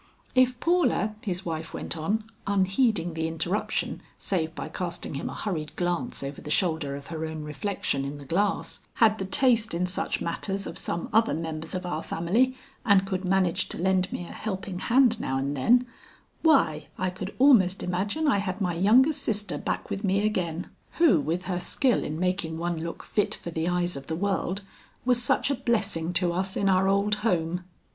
"If Paula," his wife went on, unheeding the interruption save by casting him a hurried glance over the shoulder of her own reflection in the glass, "had the taste in such matters of some other members of our family and could manage to lend me a helping hand now and then, why I could almost imagine I had my younger sister back with me again, who with her skill in making one look fit for the eyes of the world, was such a blessing to us in our old home."